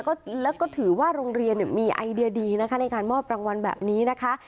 แล้วก็ถือว่าโรงเรียนเนี่ยมีไอเดียดีนะคะในการมอบรางวัลแบบนี้นะคะ